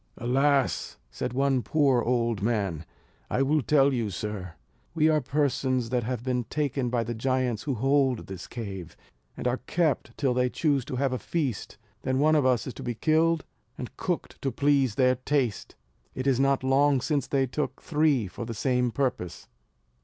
"Alas!" said one poor old man, "I will tell you, sir. We are persons that have been taken by the giants who hold this cave, and are kept till they choose to have a feast, then one of us is to be killed, and cooked to please their taste. It is not long since they took three for the same purpose."